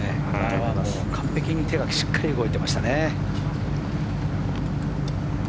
完璧に手がしっかり動いていましたね。